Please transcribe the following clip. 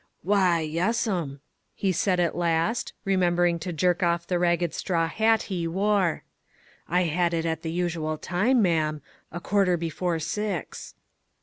" Why, yes'm," he said, at last, remembering to jerk off the ragged straw hat he wore. " I had it at the usual time, ma'am ; a quar ter before six."